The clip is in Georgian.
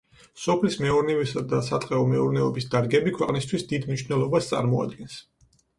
სოფლის მეურნეობისა და სატყეო მეურნეობის დარგები ქვეყნისთვის დიდ მნიშვნელობას წარმოადგენს.